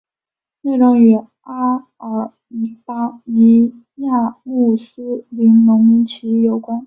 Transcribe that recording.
内容与阿尔巴尼亚穆斯林农民起义有关。